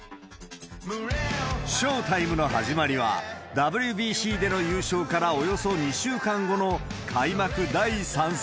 ショウタイムの始まりは、ＷＢＣでの優勝からおよそ２週間後の、開幕第３戦。